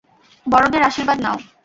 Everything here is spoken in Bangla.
বড়দের আশীর্বাদ নাও।